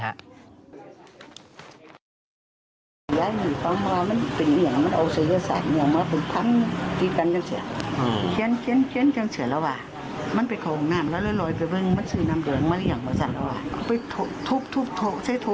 ทุบใช้โถ้สวมสั่นละวานมันนี่อย่างนี้เป็นจังฉัน